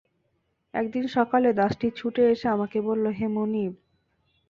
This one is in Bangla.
একদিন সকালে দাসটি ছুটে এসে আমাকে বলল, হে মনিব!